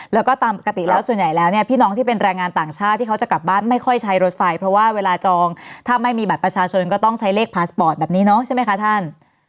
แล้วก็ตามปกติแล้วส่วนใหญ่แล้วเนี่ยพี่น้องที่เป็นแรงงานต่างชาติที่เขาจะกลับบ้านไม่ค่อยใช้รถไฟเพราะว่าเวลาจองถ้าไม่มีบัตรประชาชนก็ต้องใช้เลขพาสปอร์ตแบบนี้เนาะใช่ไหมคะท่าน